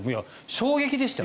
衝撃でしたよ。